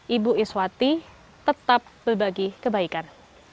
ibu iswati tetap berbagi kebaikan